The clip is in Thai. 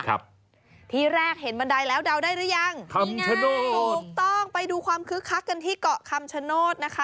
ครับที่แรกเห็นบันไดแล้วเดาได้หรือยังคำชโนธถูกต้องไปดูความคึกคักกันที่เกาะคำชโนธนะคะ